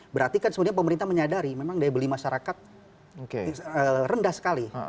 berarti kan sebenarnya pemerintah menyadari memang daya beli masyarakat rendah sekali